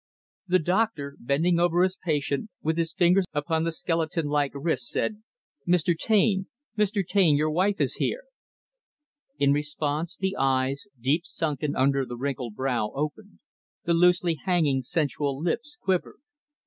The doctor, bending over his patient, with his fingers upon the skeleton like wrist, said, "Mr. Taine, Mr. Taine, your wife is here." In response, the eyes, deep sunken under the wrinkled brow, opened; the loosely hanging, sensual lips quivered.